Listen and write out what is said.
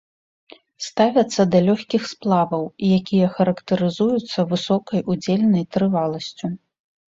Ставяцца да лёгкіх сплаваў, якія характарызуюцца высокай удзельнай трываласцю.